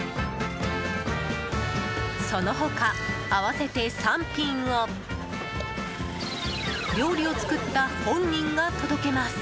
その他、合わせて３品を料理を作った本人が届けます。